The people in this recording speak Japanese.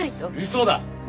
嘘だ！